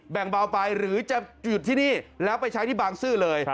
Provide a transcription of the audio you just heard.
เบาไปหรือจะหยุดที่นี่แล้วไปใช้ที่บางซื่อเลย